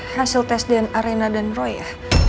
hasil tes dna rena dan roy ya